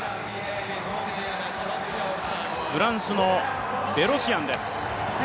フランスのベロシアンです。